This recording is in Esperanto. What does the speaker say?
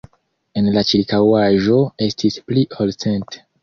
En la ĉirkaŭaĵo estis pli ol cent.